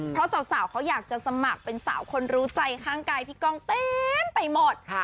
เพราะสาวเขาอยากจะสมัครเป็นสาวคนรู้ใจข้างกายพี่ก้องเต็มไปหมด